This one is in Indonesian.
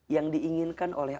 yang diinginkan oleh